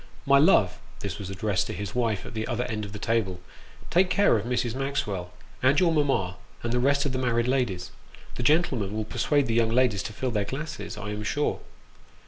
" My love (this was addressed to his wife at the other end of the table), take care of Mrs. Maxwell, and your mamma, and the rest of the married ladies; the gentlemen will persuade the young ladies to fill their glasses, I am sure."